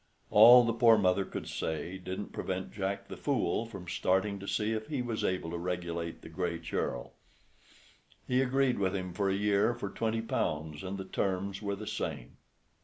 All the poor mother could say didn't prevent Jack the Fool from starting to see if he was able to regulate the Gray Churl. He agreed with him for a year for twenty pounds, and the terms were the same.